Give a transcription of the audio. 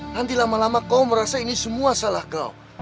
nanti lama lama kau merasa ini semua salah kau